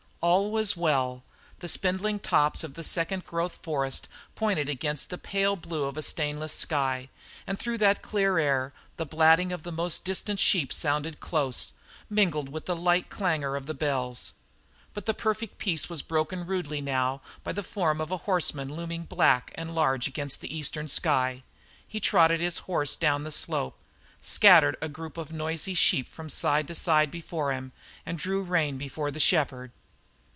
All was well. The spindling tops of the second growth forest pointed against the pale blue of a stainless sky, and through that clear air the blatting of the most distant sheep sounded close, mingled with the light clangour of the bells. But the perfect peace was broken rudely now by the form of a horseman looming black and large against the eastern sky. He trotted his horse down the slope, scattered a group of noisy sheep from side to side before him, and drew rein before the shepherd.